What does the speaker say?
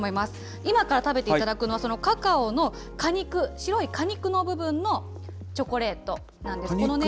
今から食べていただくのは、そのカカオの果肉、白い果肉の部分のチョコレートなんです。